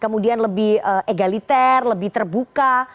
kemudian lebih egaliter lebih terbuka